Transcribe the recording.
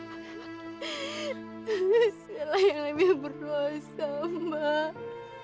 itu adalah yang lebih beruasa mbak